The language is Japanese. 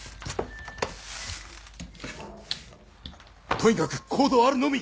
とにかく行動あるのみ！